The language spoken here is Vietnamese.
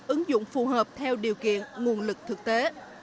ứng dụng phù hợp theo điều kiện nguồn lực thực tế